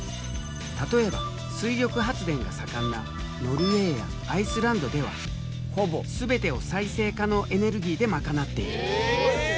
例えば水力発電が盛んなノルウェーやアイスランドではほぼ全てを再生可能エネルギーでまかなっている。